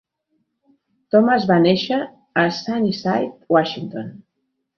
Thomas va néixer a Sunnyside, Washington.